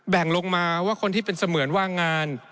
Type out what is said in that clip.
แบ่งลงมาว่าคนที่เป็นเสมือนว่างงาน